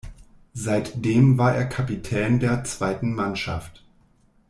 Seitdem war er Kapitän der Zweiten Mannschaft.